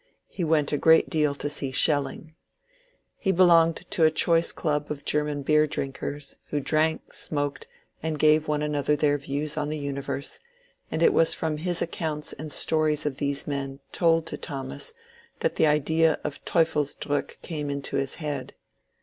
He went a great deal to see Schelling. He belonged to a choice club of German beer drinkers, who drank, smoked, and gave one another their views on the universe ; and it was from his accounts and stories of these men told to Thomas that the idea of Teufelsdrock came into his head.